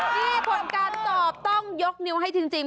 นี่ผลการตอบต้องยกนิ้วให้จริง